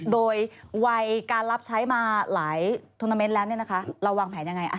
โดยวัยการรับใช้มาหลายนิเมฆแลนด์นะคะเราวางแผนอย่างไรเขาวางแผนมาล่ะ